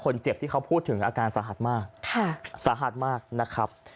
คนที่เขาพูดถึงอาการสาหัสมากค่ะสาหัสมากนะครับ